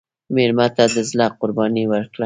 مېلمه ته د زړه قرباني ورکړه.